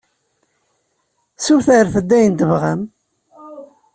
Ssutret-d ayen tebɣam!